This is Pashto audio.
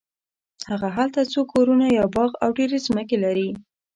هغه هلته څو کورونه یو باغ او ډېرې ځمکې لري.